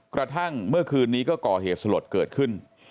กระทั่งเมื่อคืนนี้ก็ก่อเหตุสลดเกิดขึ้น